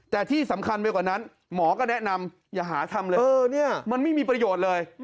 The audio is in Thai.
แต่ที่สำคัญไปกว่านั้นหมอก็แนะนำอย่าหาทำเลยมันไม่มีประโยชน์เลย